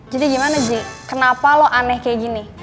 jadi gimana ji kenapa lo aneh kayak gini